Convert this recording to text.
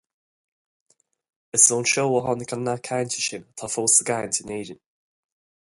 Is ó an seó a tháinig an nath cainte sin, atá fós sa gcaint in Éirinn.